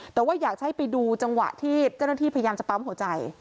แต่ว่าอยากจะให้ไปดูจังหวะที่เจ้าหน้าที่พยายามจะปั๊มหัวใจ